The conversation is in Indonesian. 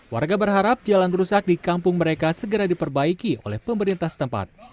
warga berharap jalan rusak di kampung mereka segera diperbaiki oleh pemerintah setempat